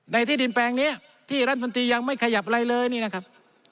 ที่ดินแปลงนี้ที่รัฐมนตรียังไม่ขยับอะไรเลยนี่นะครับ